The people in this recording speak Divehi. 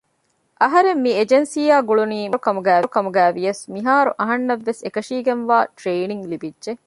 އަހަރެން މި އެޖެންސީއާ ގުޅުނީ މިދިޔަ އަހަރު ކަމުގައިވިޔަސް މިހާރު އަހަންނަށްވެސް އެކަށީގެންވާ ޓްރެއިނިންގް ލިބިއްޖެ